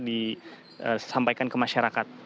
disampaikan ke masyarakat